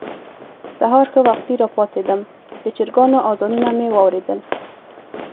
سهار ښه وختي راپاڅېدم، د چرګانو اذانونه مې واورېدل.